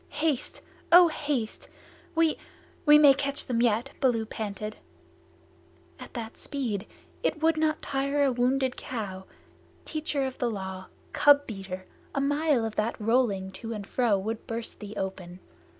"Haste! O haste! We we may catch them yet!" Baloo panted. "At that speed! It would not tire a wounded cow. Teacher of the Law cub beater a mile of that rolling to and fro would burst thee open.